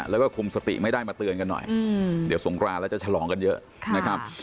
แล้วก็คุมสติไม่ได้มาเตือนกันหน่อยเดี๋ยวสงครานแล้วจะฉลองกันเยอะนะครับ